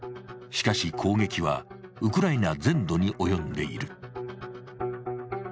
しかし攻撃はウクライナ全土に及んでいる。